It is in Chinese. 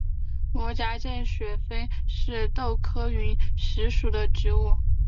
膜荚见血飞是豆科云实属的植物。